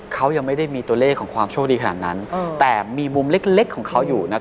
เขายังไม่ได้มีตัวเลขของความโชคดีขนาดนั้นแต่มีมุมเล็กของเขาอยู่